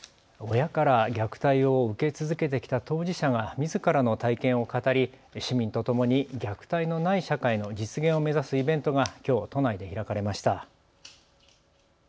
親から虐待を受け続けてきた当事者がみずからの体験を語り市民と共に虐待のない社会の実現を目指すイベントがきょう都内で開かれました。